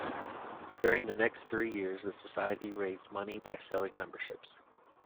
During the next three years, the society raised money by selling memberships.